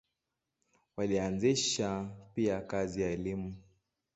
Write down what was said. Walianzisha pia kazi ya elimu.